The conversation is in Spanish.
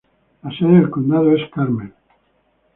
La sede del condado es Carmel.